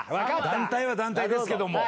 団体は団体ですけども。